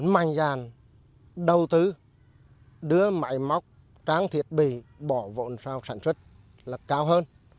mạnh dàn đầu tư đưa máy móc tráng thiết bị bỏ vộn sau sản xuất là cao hơn